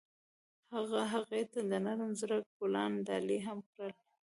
هغه هغې ته د نرم زړه ګلان ډالۍ هم کړل.